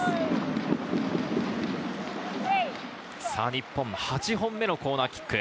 日本、８本目のコーナーキック。